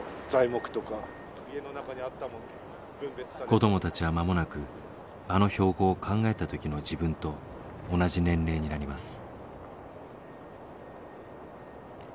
子どもたちは間もなくあの標語を考えた時の自分と同じ年齢になります。